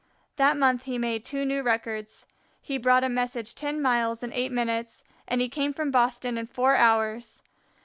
That month he made two new records. He brought a message ten miles in eight minutes, and he came from Boston in four hours.